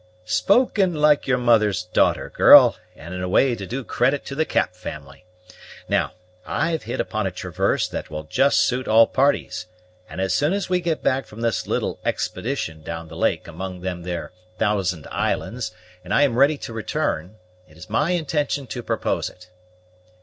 "Spoken like your mother's daughter, girl, and in a way to do credit to the Cap family. Now, I've hit upon a traverse that will just suit all parties; and, as soon as we get back from this little expedition down the lake among them there Thousand Islands, and I am ready to return, it is my intention to propose it."